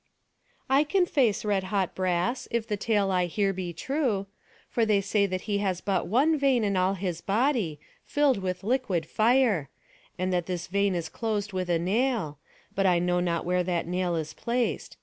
"I can face red hot brass, if the tale I hear be true. For they say that he has but one vein in all his body, filled with liquid fire; and that this vein is closed with a nail; but I know not where that nail is placed.